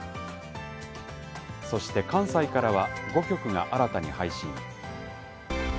そして、関西からは５局が新たに配信。